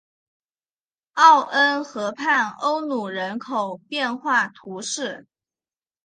奥恩河畔欧努人口变化图示